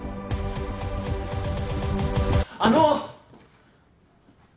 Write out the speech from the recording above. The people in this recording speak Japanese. あの！